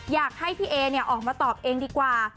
อยากให้พี่เอออกมาตอบเองดีกว่า